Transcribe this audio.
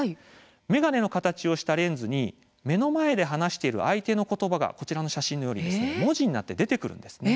眼鏡の形をしたレンズに目の前で話している相手の言葉が写真のように文字になって出てきます。